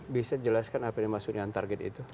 bisa jelaskan apa maksudnya target itu